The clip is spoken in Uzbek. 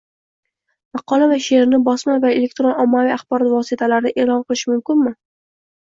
Maqola va she’rini bosma va elektron ommaviy axborot vositalarida e’lon qilishi mumkinmi?